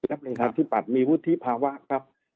และบริษัทที่ปัดมีวุฒิภาวะครับ